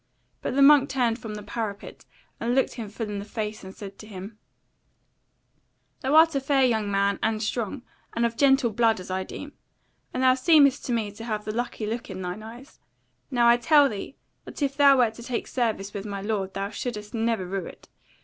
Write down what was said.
But the monk turned from the parapet and looked him full in the face and said to him: "Thou art a fair young man, and strong, and of gentle blood as I deem; and thou seemest to me to have the lucky look in thine eyes: now I tell thee that if thou wert to take service with my lord thou shouldest never rue it.